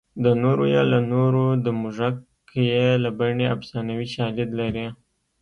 د نورو یې له نورو د موږک یې له بنۍ افسانوي شالید لري